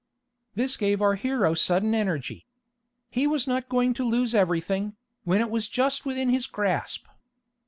This gave our hero sudden energy. He was not going to lose everything, when it was just within his grasp.